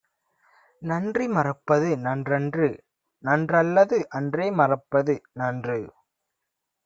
நன்றி மறப்பது நன்றன்று; நன்றல்லது அன்றே மறப்பது நன்று.